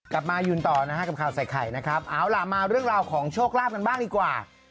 มายืนต่อนะฮะกับข่าวใส่ไข่นะครับเอาล่ะมาเรื่องราวของโชคลาภกันบ้างดีกว่า